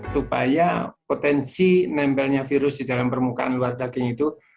supaya potensi nempelnya virus di dalam permukaan luar daging itu